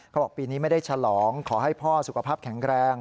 บอกปีนี้ไม่ได้ฉลองขอให้พ่อสุขภาพแข็งแรง